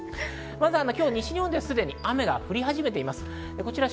まず今日、西日本では雨が降り始めています。